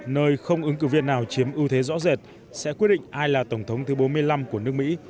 nơi không ứng cử viên nào chiếm ưu thế rõ rệt sẽ quyết định ai là tổng thống thứ bốn mươi năm của nước mỹ